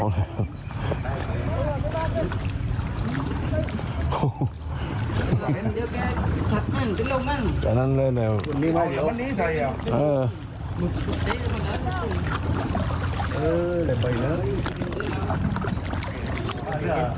ไปหรือยังไปกลับดีแป๊ะ